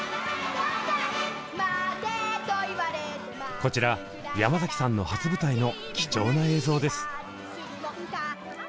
こちら山崎さんの初舞台の貴重な映像です。